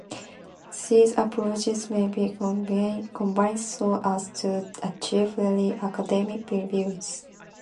These approaches may be combined so as to achieve really academic reviews.